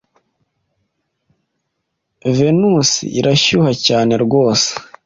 Venusi irashyuha cyane rwose